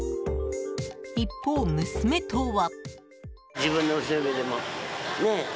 一方、娘とは。